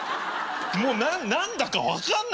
もう何だか分かんない。